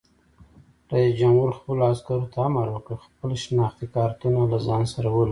رئیس جمهور خپلو عسکرو ته امر وکړ؛ خپل شناختي کارتونه له ځان سره ولرئ!